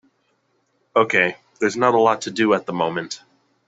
Okay, there is not a lot to do at the moment.